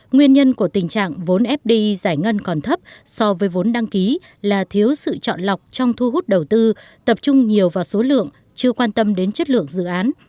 nguyên nhân của tình trạng vốn fdi giải ngân còn thấp so với vốn đăng ký là thiếu sự chọn lọc trong thu hút đầu tư tập trung nhiều vào số lượng chưa quan tâm đến chất lượng dự án